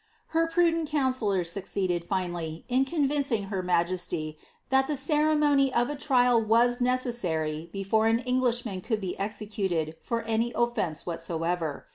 "' Her prudent counsellora succeeded, tinally, in convincing her majesty, that the ceremony of a trial was necessary before an Eng lishman could be executed for any offence whatsoever.